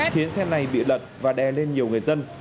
khiến xe này bị lật và đè lên nhiều người dân